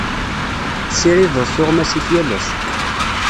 Tessirideḍ tuɣmas-ik yal ass.